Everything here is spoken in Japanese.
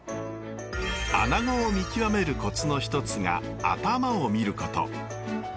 アナゴを見極めるコツの一つが頭を見ること。